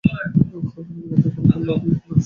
হাত ধরে মিনতি করে বললে, আমি এখনই আসছি।